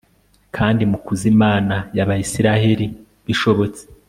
kandi mukuze imana ya israheli. bishobotse